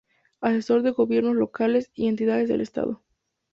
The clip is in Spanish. Asesor de Gobiernos Locales y entidades del Estado.